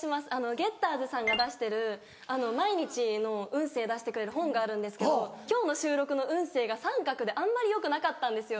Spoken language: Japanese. ゲッターズさんが出してる毎日の運勢出してくれる本があるんですけど今日の収録の運勢が「△」であんまりよくなかったんですよ。